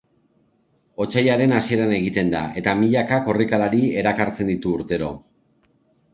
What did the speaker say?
Otsailaren hasieran egiten da eta milaka korrikalari erakartzen ditu urtero.